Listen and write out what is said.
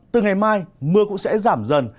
từ ngày mai mưa cũng sẽ giảm dần